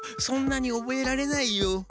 そんなにおぼえられないよ。